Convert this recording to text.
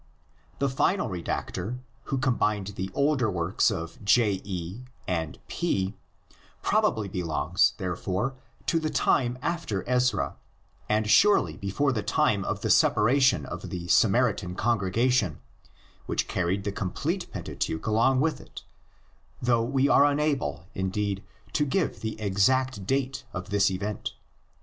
The final redactor, who combined the older work of JE and P, and designated as R™^, probably belongs, therefore, to the time after Ezra, and surely before the time of the separation of the Samaritan congregation, which carried the complete Pentateuch along with it — though we are unable, indeed, to give the exact date of this event.